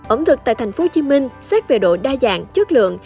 ẩm thực tại thành phố hồ chí minh xét về độ đa dạng chất lượng